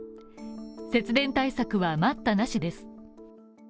節電対策は待ったなしです。